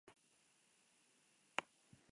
Reside en Europa, principalmente en Francia.